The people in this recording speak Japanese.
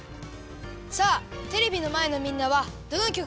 さあテレビのまえのみんなはどのきょくがよかったですか？